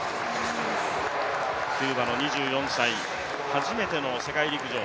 キューバの２４歳初めての世界陸上。